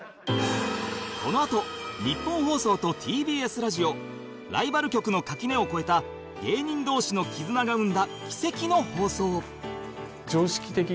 このあとニッポン放送と ＴＢＳ ラジオライバル局の垣根を越えた芸人同士の絆が生んだ奇跡の放送